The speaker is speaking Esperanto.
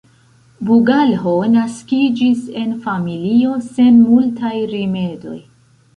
Bugalho naskiĝis en familio sen multaj rimedoj.